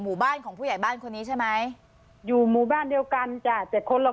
หมู่บ้านของผู้ใหญ่บ้านคนนี้ใช่ไหมอยู่หมู่บ้านเดียวกันจ้ะเจ็ดคนเรา